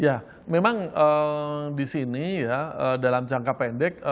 ya memang disini ya dalam jangka pendek